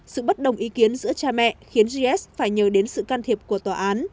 sự bất đồng ý kiến giữa cha mẹ khiến gs phải nhờ đến sự can thiệp của tòa án